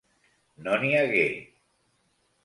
No n'hi hagué.